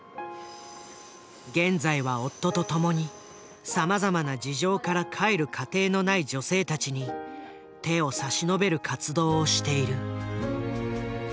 現在は夫とともにさまざまな事情から帰る家庭のない女性たちに手を差し伸べる活動をしている。